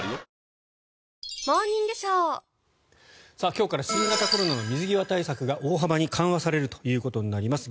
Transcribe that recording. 今日から新型コロナの水際対策が大幅に緩和されるということになります。